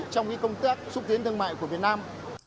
trong công tác xúc tiến thương mại của việt nam